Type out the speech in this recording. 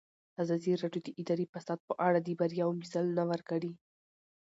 ازادي راډیو د اداري فساد په اړه د بریاوو مثالونه ورکړي.